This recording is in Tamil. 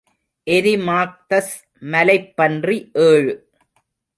எரிமாக்தஸ் மலைப்பன்றி ஏழு.